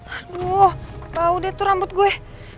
aduh tau deh tuh rambut gue